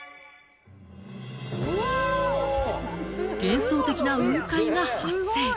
幻想的な雲海が発生。